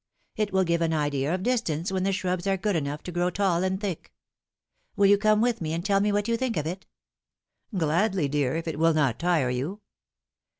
It will give an idea of distance when the shrubs are good enough to grow tall and thick. Will you come with me and tell me what you think of it ?"" Gladly, dear, if it will not tire you."